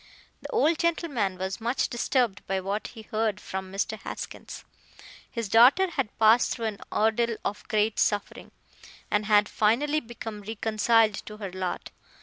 The old gentleman was much disturbed by what he heard from Mr. Haskins. His daughter had passed through an ordeal of great suffering, and had finally become reconciled to her lot.